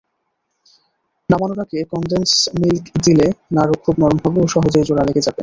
নামানোর আগে condense milk দিলে নাড়ু খুব নরম হবে ও সহজেই জোড়া লেগে যাবে।